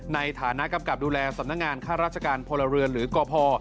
ในฐานะกำกับดูแลสำนักงานข้าราชการพลเรือนหรือกพ